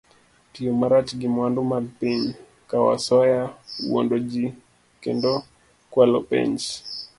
Tiyo marach gi mwandu mag piny, kawo asoya, wuondo ji, kendo kwalo penj